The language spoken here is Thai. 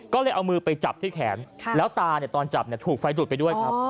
ก็เลยเอามือไปจับที่แขนแล้วตาตอนจับถูกไฟดูดไปด้วยครับ